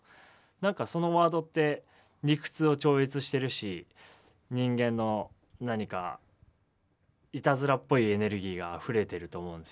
何かそのワードって理屈を超越してるし人間の何かいたずらっぽいエネルギーがあふれてると思うんですよね。